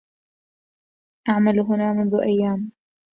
أعمل هنا منذ أيام.